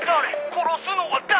「殺すのは誰？」